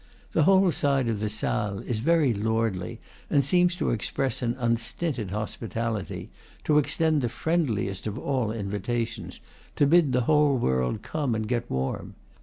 This whole side of the salle is very lordly, and seems to express an unstinted hospitality, to extend the friendliest of all invitations, to bid the whole world come and get warm.